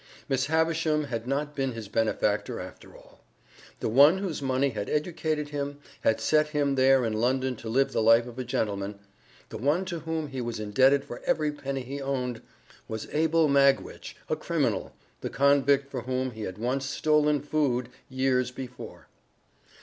Miss Havisham had not been his benefactor after all. The one whose money had educated him, had set him there in London to live the life of a gentleman, the one to whom he was indebted for every penny he owned, was Abel Magwitch, a criminal the convict for whom he had once stolen food years before!